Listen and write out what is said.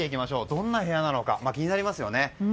どんな部屋なのか気になりますよね。